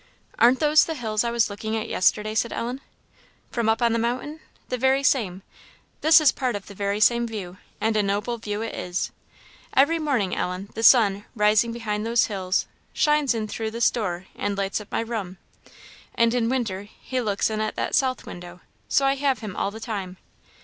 "Aren't those the hills I was looking at yesterday?" said Ellen. "From up on the mountain? the very same; this is part of the very same view, and a noble view it is. Every morning, Ellen, the sun, rising behind those hills, shines in through this door and lights up my room; and in winter he looks in at that south window, so I have him all the time.